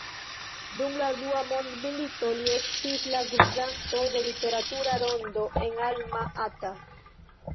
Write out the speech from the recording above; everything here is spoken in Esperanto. Dum la dua mondmilito li estis la gvidanto de literatura rondo en Alma Ata.